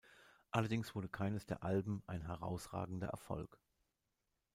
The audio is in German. Allerdings wurde keines der Alben ein herausragender Erfolg.